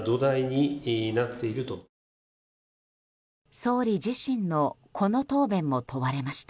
総理自身のこの答弁も問われました。